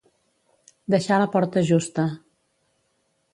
Deixar la porta justa.